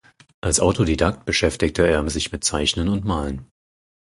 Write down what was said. Als Autodidakt beschäftigte er sich mit Zeichnen und Malen.